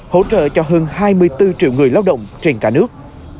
hỗ trợ cho hơn hai mươi bốn triệu người lao động trên cả nước